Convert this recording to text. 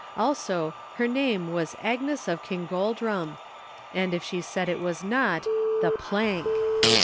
Also, her name was Agnes of Kingoldrum, and, if she said it was not, the plank.